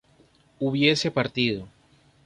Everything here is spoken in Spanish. hubiese partido